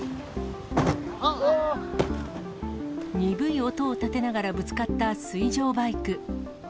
鈍い音を立てながらぶつかった水上バイク。